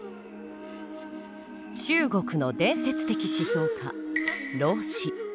中国の伝説的思想家老子。